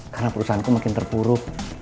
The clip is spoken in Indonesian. karena perusahaanku makin terpuruk